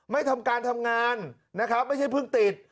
ไม่ทำการทำงานนะครับไม่ใช่เพิ่งติด